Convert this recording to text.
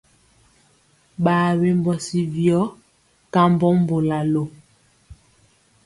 Ɓaa wembɔ si viyɔ kambɔ mbolalo.